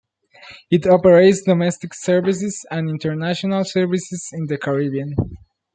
It operates domestic services and international services in the Caribbean.